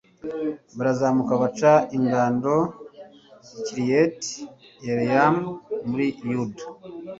barazamuka baca ingando i kiriyati yeyarimu, muri yuda